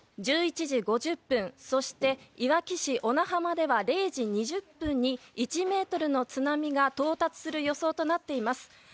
１１時５０分、そしていわき市小名浜では０時２０分に１ｍの津波が到達する予想となっています。